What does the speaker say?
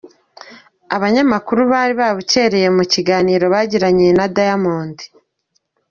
Abanyamakuru bari babukereye mu kiganiro bagiranye na Diamond.